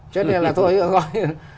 chứ không mình trốn đi điện biên vì nợ thì chết